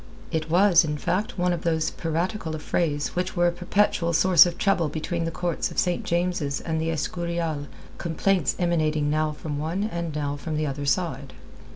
It was, in fact, one of those piratical affrays which were a perpetual source of trouble between the courts of St. James's and the Escurial, complaints emanating now from one and now from the other side.